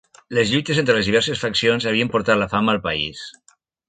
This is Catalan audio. Les lluites entre les diverses faccions havien portat la fam al país.